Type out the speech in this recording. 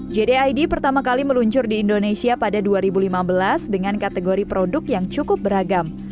jdid pertama kali meluncur di indonesia pada dua ribu lima belas dengan kategori produk yang cukup beragam